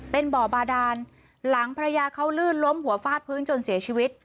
เป็นบ่อบาดานหลังภรรยาเขาลื่นล้มหัวฟาดพื้นจนเสียชีวิต